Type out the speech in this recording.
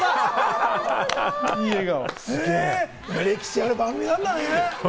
歴史ある番組なんだね。